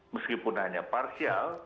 meskipun hanya parsial